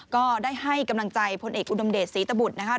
ก็ได้ให้กำลังใจพลเอกอุดมเดชศรีตบุตรนะคะ